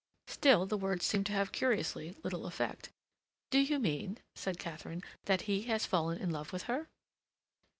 Still the words seemed to have curiously little effect. "Do you mean," said Katharine, "that he has fallen in love with her?"